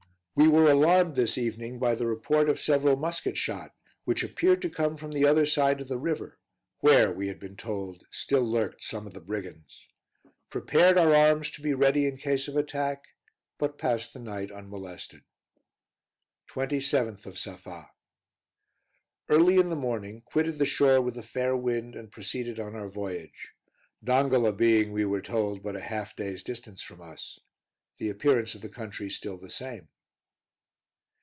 We were alarmed this evening by the report of several musket shot, which appeared to come from the other side of the river, where, we had been told, still lurked some of the brigands. Prepared our arms to be ready in case of attack, but passed the night unmolested. 27th of Safa. Early in the morning, quitted the shore with a fair wind, and proceeded on our voyage; Dongola being, we were told, but half a day's distance from us. The appearance of the country still the same.